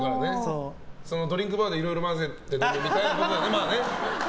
ドリンクバーでいろいろ混ぜて飲むみたいなことだよね。